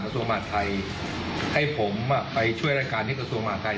กระทรวงมหาดไทยให้ผมไปช่วยรายการที่กระทรวงมหาดไทย